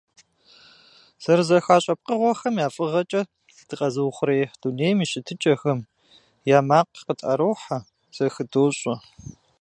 ЗэрызэхащӀэ пкъыгъуэхэм я фӀыгъэкӀэ дыкъэзыухъуреихь дунейм и щытыкӀэхэм я макъ къытӀэрохьэ, зэхыдощӀэ.